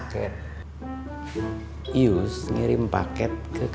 masih lihat kak